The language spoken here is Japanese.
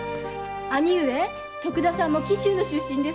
兄上徳田さんも紀州の出身ですって。